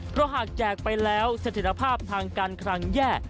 เพราะหากแจกไปแล้วสถิตภาพทางการคลังแย่